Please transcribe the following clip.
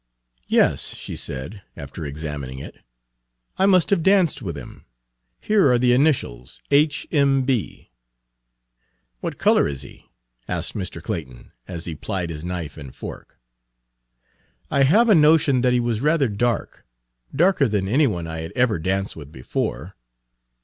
"Yes," she said, after examining it, "I must have danced with him. Here are the initials 'H. M. B.' " "What color is he?" asked Mr. Clayton, as he plied his knife and fork. "I have a notion that he was rather dark darker than any one I had ever danced with before."